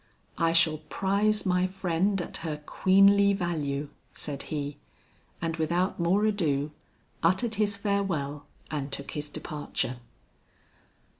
"I shall prize my friend at her queenly value," said he; and without more ado, uttered his farewell and took his departure.